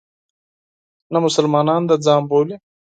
نه مسلمانان د ځان بولي.